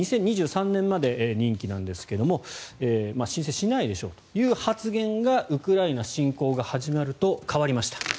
２０２３年まで任期なんですが申請しないでしょうという発言がウクライナ侵攻が始まると変わりました。